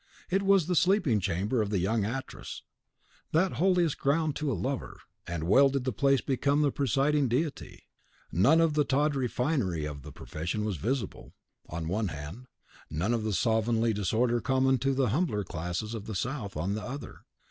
It was the sleeping chamber of the young actress, that holiest ground to a lover; and well did the place become the presiding deity: none of the tawdry finery of the profession was visible, on the one hand; none of the slovenly disorder common to the humbler classes of the South, on the other.